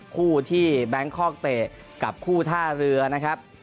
คู่ที่แบงคอกเตะกับคู่ท่าเรือนะครับ